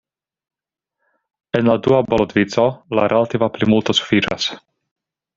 En la dua balotvico, la relativa plimulto sufiĉas.